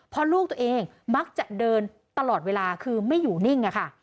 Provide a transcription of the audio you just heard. เพราะลูกตัวเองมักจะเดินตลอดเวลาคือไม่อยู่นิ่งค่ะ